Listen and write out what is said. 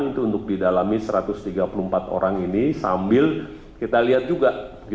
untuk didalami satu ratus tiga puluh empat orang ini sambil kita lihat juga